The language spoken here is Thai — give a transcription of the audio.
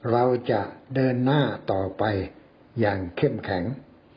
เราจะเดินหน้าต่อไปอย่างเข้มแข็ง